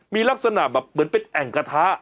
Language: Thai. มีลักษณะแบบเหมือนเป็นแอ่งกระทะ